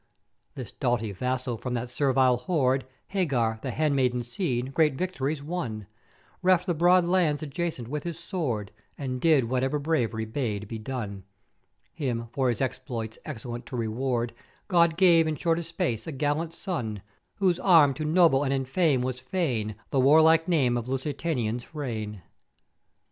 "This doughty Vassal from that servile horde, Hagar, the handmaid's seed, great vict'ories won; reft the broad lands adjacent with his sword and did whatever Brav'ery bade be done; Him, for his exploits excellent to reward, God gave in shortest space a gallant son, whose arm to 'noble and enfame was fain the warlike name of Lusitania's reign.